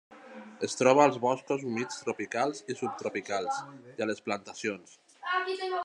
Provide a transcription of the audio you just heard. Es troba als boscos humits tropicals i subtropicals, i a les plantacions.